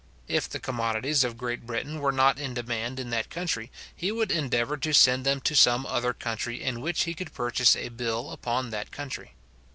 If the commodities of Great Britain were not in demand in that country, he would endeavour to send them to some other country in which he could purchase a bill upon that country.